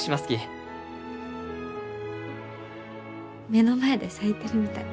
目の前で咲いてるみたい。